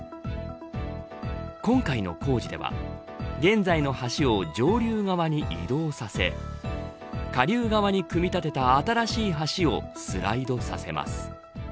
今回の工事では現在の橋を上流側に移動させ下流側に組み立てた新しい橋をスライドさせます。